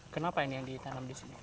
kenapa ini yang ditanam di sini